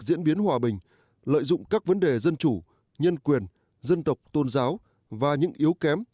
diễn biến hòa bình lợi dụng các vấn đề dân chủ nhân quyền dân tộc tôn giáo và những yếu kém